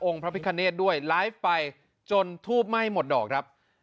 องค์พระพิฆาเนตด้วยไลฟ์ไปจนทูบไม่หมดดอกครับ